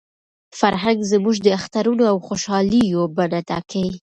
فرهنګ زموږ د اخترونو او خوشالیو بڼه ټاکي.